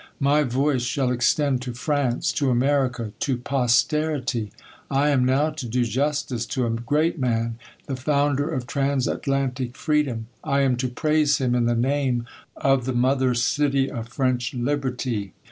My voice shall extend to France, to America, to posterity. I am now to do justice to a great man, the founder of transatlantic freedom ; I am to praise him in the name of the mother city of French liberty.